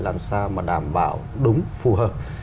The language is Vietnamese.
làm sao mà đảm bảo đúng phù hợp